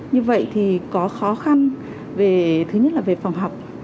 như vậy thì có khó khăn về thứ nhất là về phòng học